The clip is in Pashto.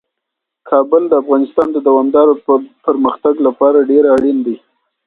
کابل د افغانستان د دوامداره پرمختګ لپاره ډیر اړین دی.